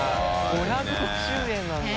５５０円なんだ。